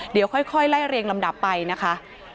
เดี๋ยวค่อยไล่เรียงลำดับไปนะคะ